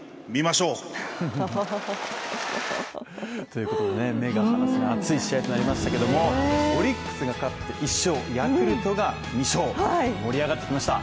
ということで、目が離せない熱い試合となりましたけれどもオリックスが勝って１勝、ヤクルトが２勝、盛り上がってきました。